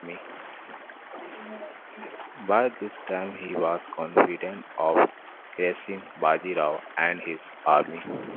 By this time he was confident of crushing Baji Rao and his army.